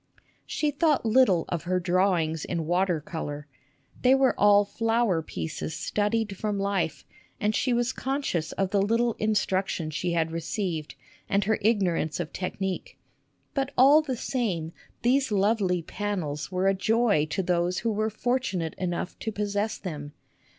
She thought little of her drawings in water color. They were all flower pieces studied from life, and she was conscious of the little instruction she had received and her ignorance of technique. But all the same these lovely panels were a joy to those who were fortu nate enough to possess them.